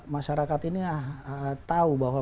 masyarakat ini tahu bahwa